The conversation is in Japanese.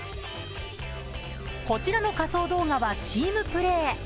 こちらの仮装動画はチームプレー。